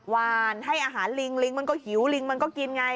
หวานให้อาหารลิงลิงมันก็หิวลิงมันก็กินไง